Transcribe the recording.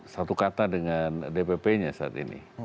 satu kata dengan dpp nya saat ini